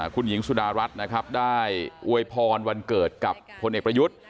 คุณหญิงสุดารัฐนะครับได้อวยพรวันเกิดกับพลเอกประยุทธ์